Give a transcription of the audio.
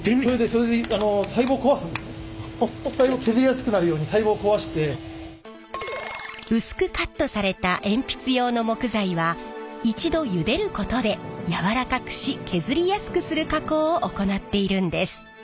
それで薄くカットされた鉛筆用の木材は一度ゆでることでやわらかくし削りやすくする加工を行っているんです。